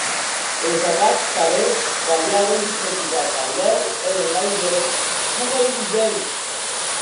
Es atacts tanben variauen d'intensitat, tanlèu èren leugèrs coma virulents.